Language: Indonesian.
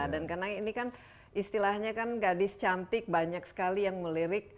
dan karena ini kan istilahnya kan gadis cantik banyak sekali yang melirik